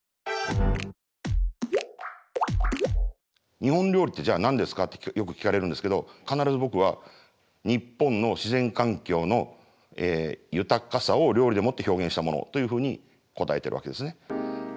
「日本料理ってじゃあ何ですか？」ってよく聞かれるんですけど必ず僕は「日本の自然環境の豊かさを料理でもって表現したもの」というふうに答えているわけですね。